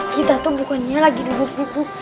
kita tuh bukannya lagi duduk duduk